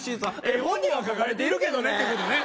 絵本には描かれているけどねってことね